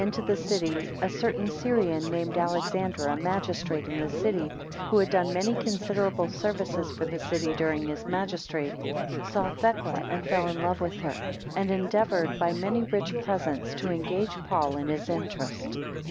to the city, a certain Syrian, named Alexander, a magistrate in the city, who had done many considerable services for the city during his magistracy, saw Thecla, and fell in love with her, and endeavoured by many rich presents to engage Paul in his interest.